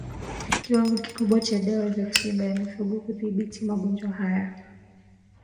kiwango kikubwa cha dawa za tiba ya mifugo kudhibiti magonjwa haya